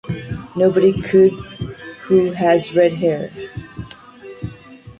Nobody could who has red hair.